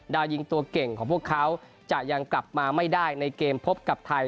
ดาวยิงตัวเก่งของพวกเขาจะยังกลับมาไม่ได้ในเกมพบกับไทย